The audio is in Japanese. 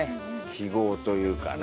記号というか。